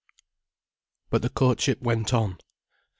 But the courtship went on.